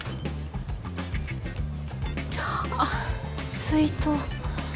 あっ水筒。